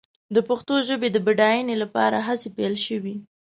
د پښتو ژبې د بډاینې لپاره هڅې پيل شوې.